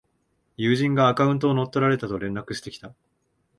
友人がアカウントを乗っ取られたと連絡してきた